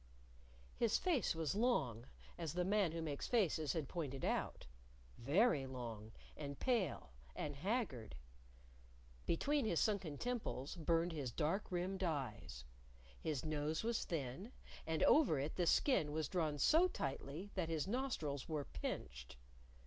His face was long, as the Man Who Makes Faces had pointed out very long, and pale, and haggard. Between his sunken temples burned his dark rimmed eyes. His nose was thin, and over it the skin was drawn so tightly that his nostrils were pinched.